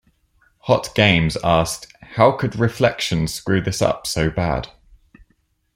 Hot Games asked, How could Reflections screw this up so bad?